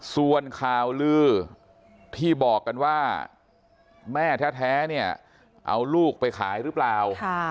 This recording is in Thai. ส่วนข่าวลือที่บอกกันว่าแม่แท้เนี่ยเอาลูกไปขายหรือเปล่า